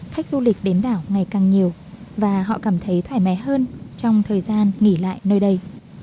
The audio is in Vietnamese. khách du lịch đến đảo ngày càng nhiều và họ cảm thấy thoải mái hơn trong thời gian nghỉ lại nơi đây